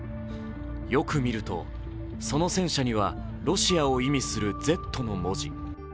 よく見るとその戦車にはロシアを意味するＺの文字。